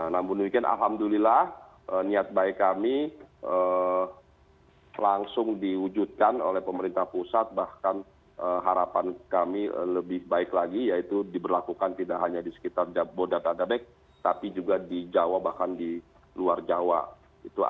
namun mungkin alhamdulillah niat baik kami langsung diwujudkan oleh pemerintah pusat